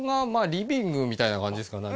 リビングみたいな感じですかね。